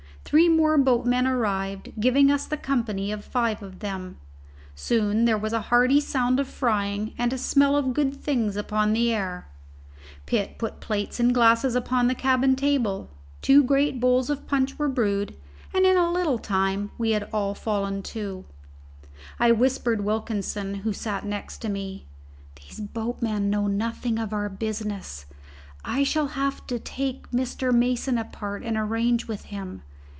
Three more boatmen arrived, giving us the company of five of them. Soon there was a hearty sound of frying and a smell of good things upon the air. Pitt put plates and glasses upon the cabin table, two great bowls of punch were brewed, and in a little time we had all fallen to. I whispered Wilkinson, who sat next me, "These boatmen know nothing of our business; I shall have to take Mr. Mason apart and arrange with him.